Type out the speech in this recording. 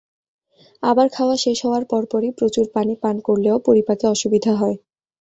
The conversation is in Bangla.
আবার খাওয়া শেষ হওয়ার পরপরই প্রচুর পানি পান করলেও পরিপাকে অসুবিধা হয়।